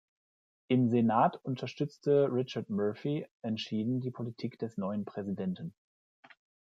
Im Senat unterstützte Richard Murphy entschieden die Politik des neuen Präsidenten.